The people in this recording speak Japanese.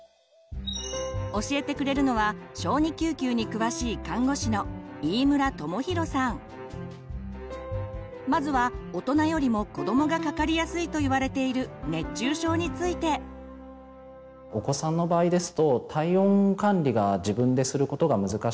教えてくれるのは小児救急に詳しいまずは大人よりも子どもがかかりやすいといわれている熱中症について。といった特徴があります。